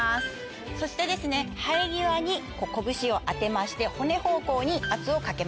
そして生え際に拳を当てまして骨方向に圧をかけます。